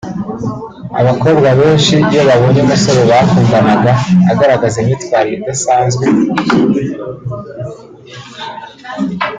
Abakobwa benshi iyo babonye umusore bakundanaga agaragaza imyitwarire idasanzwe